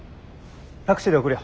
タクシーで送るよ。